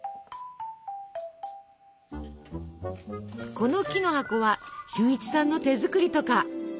この木の箱は俊一さんの手作りとか。